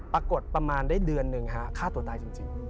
ปรากฏประมาณได้เดือนหนึ่งฮะฆ่าตัวตายจริง